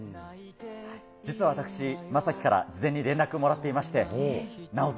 実は私、将暉から事前に連絡をもらっていまして、直樹！